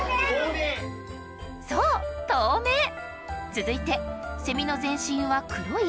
続いてセミの全身は黒い？